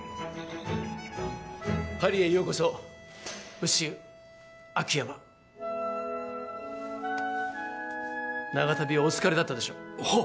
パリへようこそムッシュ秋山長旅はお疲れだったでしょうはッ